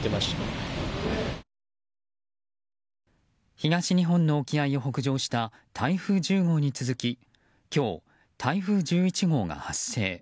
東日本の沖合を北上した台風１０号に続き今日、台風１１号が発生。